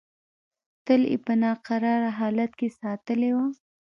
تل یې په ناکراره حالت کې ساتلې وه.